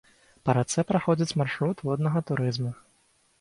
Па рацэ праходзіць маршрут воднага турызму.